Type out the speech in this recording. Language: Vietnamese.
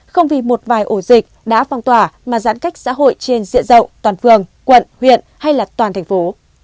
không vì một vài ổ dịch đã phong tỏa mà giãn cách xã hội trên diện rộng toàn phường quận huyện hay là toàn thành phố